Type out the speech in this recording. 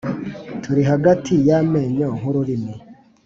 turi hagati y’amenyo nk’ururimi